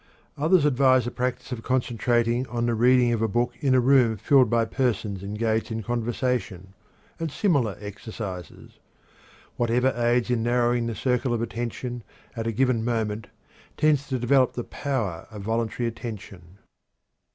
Others advise the practice of concentrating on the reading of a book in a room filled by persons engaged in conversation, and similar exercises. Whatever aids in narrowing the circle of attention at a given moment tends to develop the power of voluntary attention.